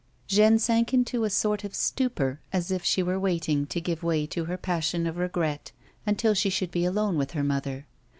Jeanne sank into a sort of stupor, as if she were waiting to give way to her passion of regret until she should be alone with her mother.